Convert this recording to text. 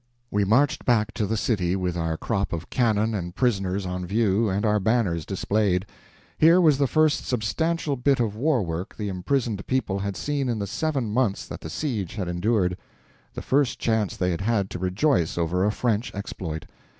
We marched back to the city with our crop of cannon and prisoners on view and our banners displayed. Here was the first substantial bit of war work the imprisoned people had seen in the seven months that the siege had endured, the first chance they had had to rejoice over a French exploit.